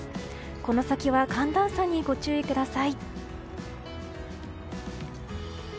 この先は寒暖差にご注意ください。